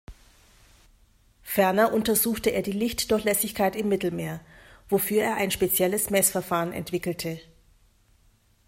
Ferner untersuchte er die Lichtdurchlässigkeit im Mittelmeer, wofür er ein spezielles Messverfahren entwickelte.